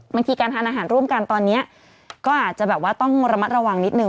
บางทีการทานอาหารร่วมกันตอนนี้ก็อาจจะแบบว่าต้องระมัดระวังนิดนึ